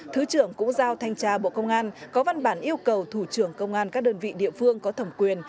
thứ trưởng cũng giao thanh tra bộ công an có văn bản yêu cầu thủ trưởng công an các đơn vị địa phương có thẩm quyền